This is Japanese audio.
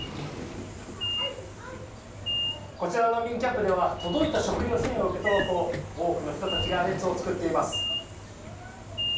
こちらの難民キャンプでは届いた食料支援を受け取ろうと多くの人たちが列を作っています。